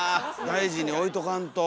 大事に置いとかんと。